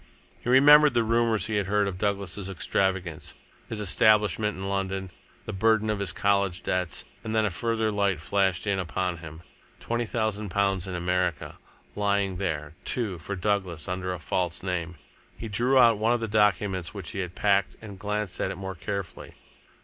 He remembered the rumours he had heard of Douglas' extravagance, his establishment in London, the burden of his college debts. And then a further light flashed in upon him. Twenty thousand pounds in America! lying there, too, for Douglas under a false name! He drew out one of the documents which he had packed and glanced at it more carefully.